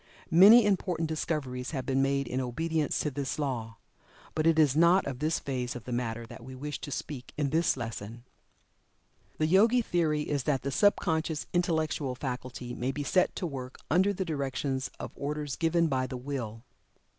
Many important discoveries have been made in obedience to this law. But it is not of this phase of the matter that we wish to speak in this lesson. The Yogi theory is that the sub conscious intellectual faculty may be set to work under the direction of orders given by the Will.